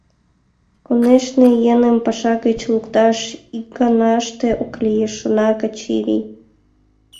«Конешне, еҥым паша гыч лукташ икганаште ок лий, — шона Качырий.